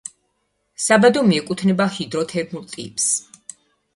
საბადო მიეკუთვნება ჰიდროთერმულ ტიპს.